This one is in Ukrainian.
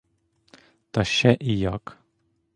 Та ще і як!